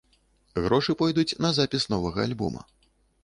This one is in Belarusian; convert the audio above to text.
Грошы пойдуць на запіс новага альбома.